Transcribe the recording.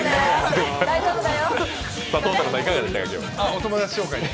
お友達紹介で？